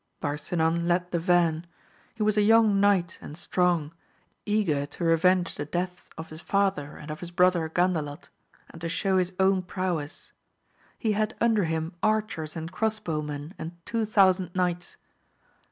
Barsinan led the van ; he was a young knight and strong, eager to revenge the deaths of his father and of his hrother Gandalot, and to show his own prowess. He had under him archers and cross howmen and two thousand knights.